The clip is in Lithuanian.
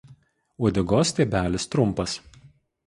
Uodegos stiebelis trumpas.